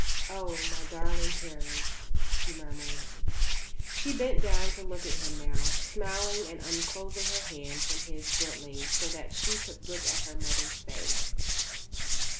"Oh, my darling Karen," he murmured. She bent down to look at him now, smiling and unclosing her hand from his gently, so that she could look at her mother's face.